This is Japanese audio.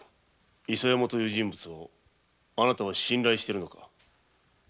伊佐山という人物をあなたは信頼しているのか？